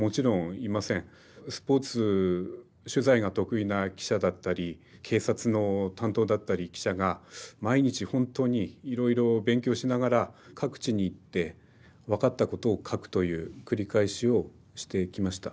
スポーツ取材が得意な記者だったり警察の担当だったり記者が毎日ほんとにいろいろ勉強しながら各地に行って分かったことを書くという繰り返しをしていきました。